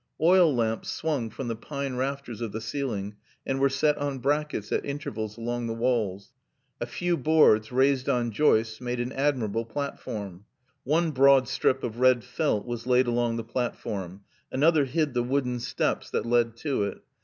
Oil lamps swung from the pine rafters of the ceiling and were set on brackets at intervals along the walls. A few boards raised on joists made an admirable platform. One broad strip of red felt was laid along the platform, another hid the wooden steps that led to it.